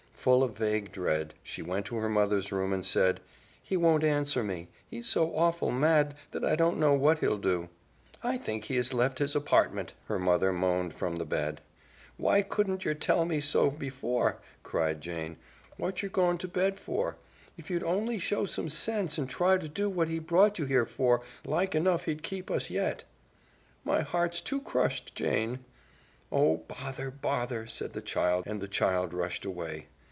Full of vague dread she went to her mother's room and said, "He won't answer me. He's so awful mad that I don't know what he'll do." "I think he has left his apartment," her mother moaned from the bed. "Why couldn't yer tell me so before?" cried Jane. "What yer gone to bed for? If you'd only show some sense and try to do what he brought you here for, like enough he'd keep us yet." "My heart's too crushed, Jane " "Oh, bother, bother!" and the child rushed away.